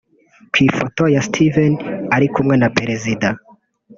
Ku ifoto ya Steven ari kumwe na Perezida